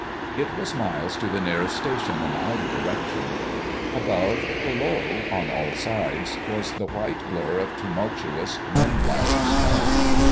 It was miles to the nearest station in either direction. Above, below, on all sides, was the white blur of tumultuous, wind lashed snow.